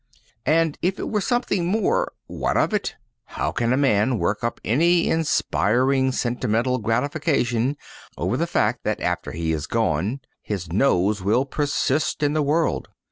And if it were something more, what of it? How can a man work up any inspiring sentimental gratification over the fact that after he is gone his nose will persist in the world?